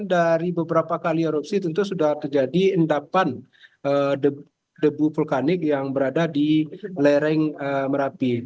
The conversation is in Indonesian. dari beberapa kali erupsi tentu sudah terjadi endapan debu vulkanik yang berada di lereng merapi